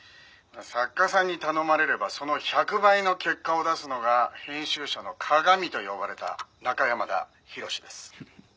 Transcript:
「作家さんに頼まれればその１００倍の結果を出すのが編集者のかがみと呼ばれた中山田洋です」